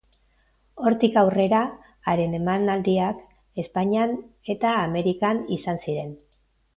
Hortik aurrera haren emanaldiak Espainian eta Amerikan izan ziren.